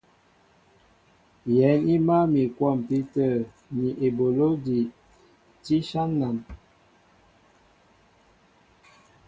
Yɛ̌n i mǎl mi a kwɔmpi tə̂ ni eboló ejí tí áshán nān.